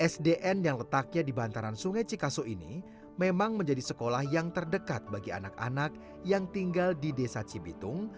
sdn yang letaknya di bantaran sungai cikaso ini memang menjadi sekolah yang terdekat bagi anak anak yang tinggal di desa cibitung